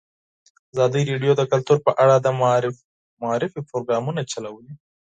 ازادي راډیو د کلتور په اړه د معارفې پروګرامونه چلولي.